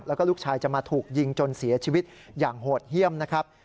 แล้วก็ลูกชายจะมาถูกยิงจนเสียชีวิตอย่างโหดเยี่ยมนะครับ